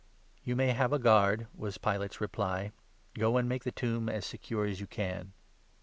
"You may have a guard," was Pilate's reply; "go and 65 make the tomb as secure as you can."